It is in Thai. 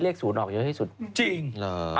ปลาหมึกแท้เต่าทองอร่อยทั้งชนิดเส้นบดเต็มตัว